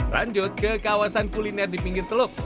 lanjut ke kawasan kuliner di pinggir teluk